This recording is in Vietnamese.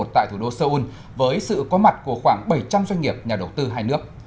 tại thủ đô seoul với sự có mặt của khoảng bảy trăm linh doanh nghiệp nhà đầu tư hai nước